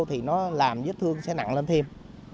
thì nó làm giết thương sẽ nặng lên thêm